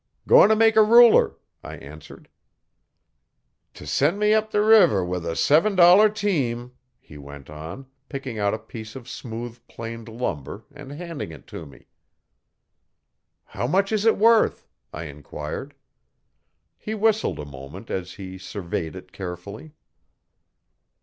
'Going to make a ruler,' I answered. '"T' sen' me up the river with a seven dollar team,"' he went on, picking out a piece of smooth planed lumber, and handing it to me. 'How much is it worth?' I enquired. He whistled a moment as he surveyed it carefully.